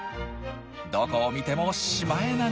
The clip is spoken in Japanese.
どこを見てもシマエナガ！